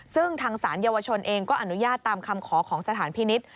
ซึ่งทางศาลเยาวชนเองก็อนุญาตตามคำขอของสถานพินิษฐ์